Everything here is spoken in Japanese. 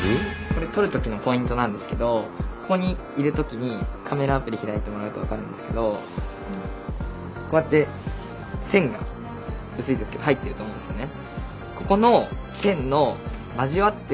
これ撮るときのポイントなんですけどここにいるときにカメラアプリ開いてもらうと分かるんですけどこうやって線が薄いですけど入ってると思うんですよね。